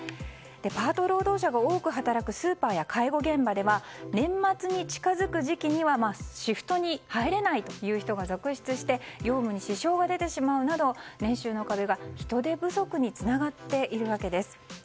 パート労働者が多く働くスーパーや介護現場では年末に近づく時期にはシフトに入れないという人が続出して業務に支障が出てしまうなど年収の壁が人手不足につながっているわけです。